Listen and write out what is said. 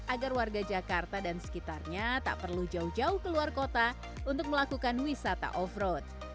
agar warga jakarta dan sekitarnya tak perlu jauh jauh keluar kota untuk melakukan wisata off road